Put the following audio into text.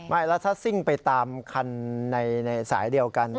ไม่แล้วถ้าซิ่งไปตามคันในสายเดียวกัน